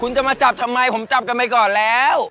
คุณจะมาจับทำไมผมจับกันไปก่อนแล้ว